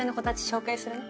紹介するね。